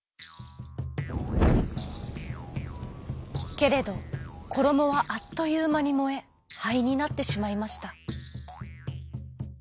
けれどころもはあっというまにもえはいになってしまいました。